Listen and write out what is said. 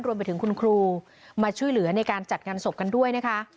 รวมไปถึงคุณครูมาช่วยเหลือในการจัดงานศพกันด้วยนะคะ